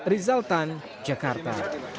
rizal tan jakarta